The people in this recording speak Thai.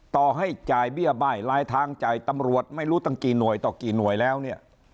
ต่อให้จ่ายเบี้ยบ้ายลายทางจ่ายตำรวจไม่รู้ตั้งกี่หน่วยต่อกี่หน่วยแล้วเนี่ย